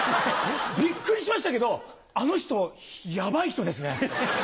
ビックリしましたけどあの人ヤバい人ですね。